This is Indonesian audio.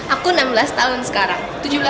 aku enam belas tahun sekarang